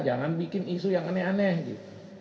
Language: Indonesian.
jangan bikin isu yang aneh aneh gitu